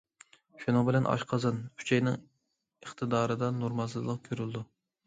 شۇنىڭ بىلەن ئاشقازان، ئۈچەينىڭ ئىقتىدارىدا نورمالسىزلىق كۆرۈلىدۇ.